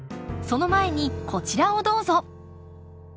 その前にこちらをどうぞ。